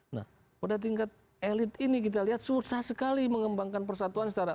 nah pada tingkat elit ini kita lihat susah sekali mengembangkan persatuan secara